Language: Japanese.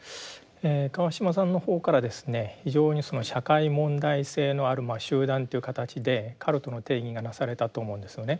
川島さんの方からですね非常に社会問題性のある集団という形でカルトの定義がなされたと思うんですよね。